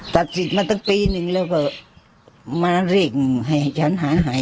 ดันสิตมาตั้งปีนึงแล้วก็มารี้งให้ฉันหาย